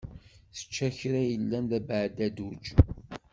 Tečča kra yellan d abeɛdadduj.